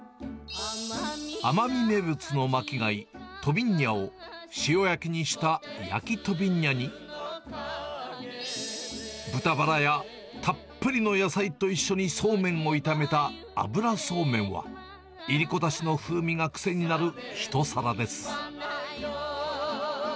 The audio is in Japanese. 奄美名物のマキガイ、トビンニャを塩焼きにした焼きトビンニャに、豚バラやたっぷりの野菜と一緒にそうめんと炒めた油そうめんは、いりこだしの風味が癖になる一皿です。